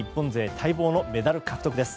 待望のメダル獲得です。